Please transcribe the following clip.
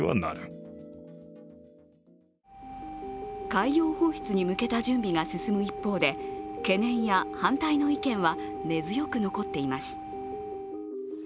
海洋放出に向けた準備が進む一方で、懸念や反対の意見は根強く残っています。